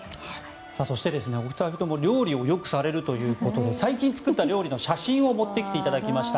お二人とも料理をよくされるということで最近作った料理の写真を持ってきていただきました。